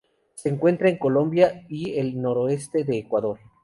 Se encuentra en Colombia y el noroeste de Ecuador.